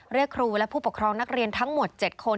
เรียกครูและผู้ปกครองนักเรียนทั้งหมด๗คน